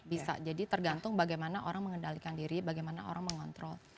bisa jadi tergantung bagaimana orang mengendalikan diri bagaimana orang mengontrol